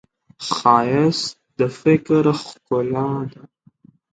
ښایست د فکر ښکلا ده